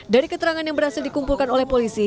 dari keterangan yang berasa dikungkul